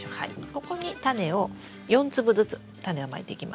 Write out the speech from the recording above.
ここにタネを４粒ずつタネをまいていきます。